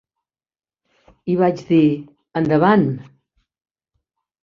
I vaig dir: 'Endavant.